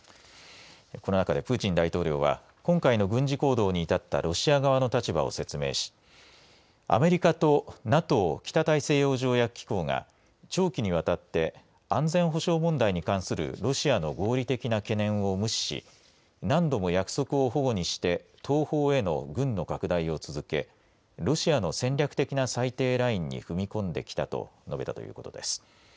この中でプーチン大統領は、今回の軍事行動に至ったロシア側の立場を説明しアメリカとＮＡＴＯ北大西洋条約機構が長期にわたって安全保障問題に関するロシアの合理的な懸念を無視し何度も約束をほごにして東方への軍の拡大を続けロシアの戦略的な最低ラインに踏み込んできたと述べたということです。